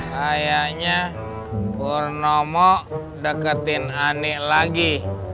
kayaknya purnomo deketin ani lagi